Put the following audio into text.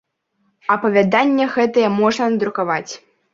Апавяданне гэтае можна надрукаваць.